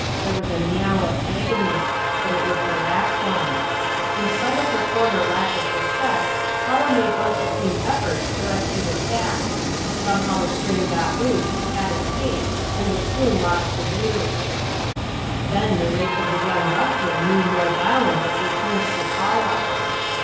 There was a meow of agony but it was the last one! In spite of her former lack of success, Paula made one supreme effort to rescue the cat. Somehow the string got loose, the cat escaped, and was soon lost to view. Then the rage of the young ruffian knew no bounds as he turned to Paula.